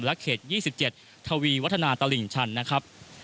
เขต๒๗ทวีวัฒนาตลิ่งชันนะครับ